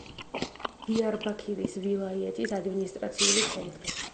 დიარბაქირის ვილაიეთის ადმინისტრაციული ცენტრი.